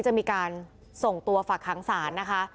จะมีการส่งตัวฝากหางศาลนะคะ